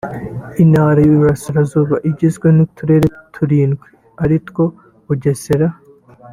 Intara y’Uburasirazuba igizwe n’uturere turindwi ari two Bugesera